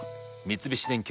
三菱電機